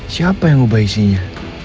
siapa yang ubah isinya